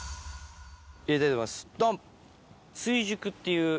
入れたいと思います、どん。